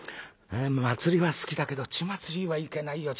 祭りは好きだけど血祭りはいけないよ